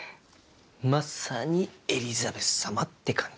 まさにエリザベスさまって感じ。